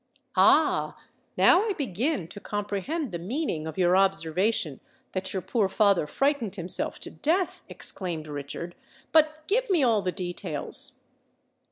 "Ah! now I begin to comprehend the meaning of your observation that your poor father frightened himself to death!" exclaimed Richard. "But give me all the details."